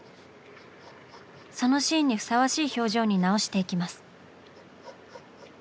そのシーンにふさわしい表情に直していきます。